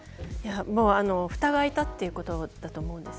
ふたが開いたということだと思うんです。